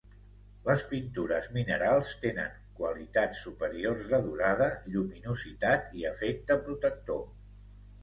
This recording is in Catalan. Les pintures minerals tenen qualitats superiors de durada, lluminositat i efecte protector.